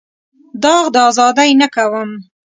داغ د ازادۍ نه کوم.